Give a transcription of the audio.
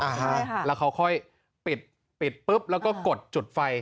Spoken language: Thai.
แล้วเขาค่อยปิดปิดปุ๊บแล้วก็กดจุดไฟ